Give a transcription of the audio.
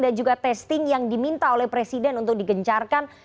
dan juga testing yang diminta oleh presiden untuk digencarkan